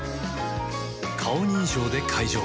顔認証で解錠